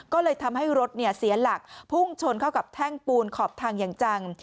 ก็เลยทำให้รถเสียหลักพุ่งชนเข้ากับแท่งปูนขอบทางอย่างจัง